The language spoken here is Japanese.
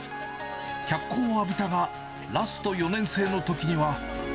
脚光を浴びたが、ラスト４年生のときには。